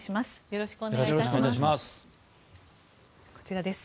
よろしくお願いします。